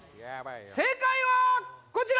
正解はこちら